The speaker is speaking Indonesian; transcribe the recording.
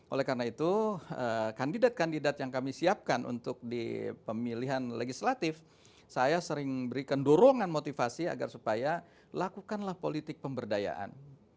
oleh karena itu kandidat kandidat yang kami siapkan untuk di pemilihan legislatif saya sering berikan dorongan motivasi agar supaya lakukanlah politik pemberdayaan